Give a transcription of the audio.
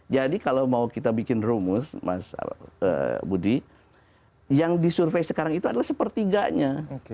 jadi kalau mau kita bikin rumus mas budi yang disurvey sekarang itu adalah sepertiganya